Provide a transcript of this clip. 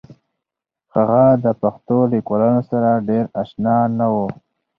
هغه د پښتو لیکوالانو سره ډېر اشنا نه و